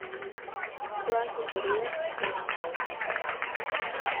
Todas sus heridas son aparentes.